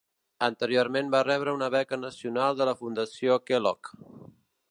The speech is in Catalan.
Anteriorment va rebre una beca nacional de la Fundació Kellogg.